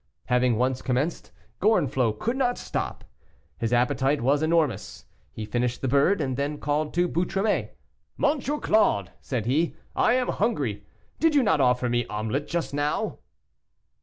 Having once commenced, Gorenflot could not stop. His appetite was enormous; he finished the bird, and then called to Boutromet. "M. Claude," said he, "I am hungry; did you not offer me omelet just now?"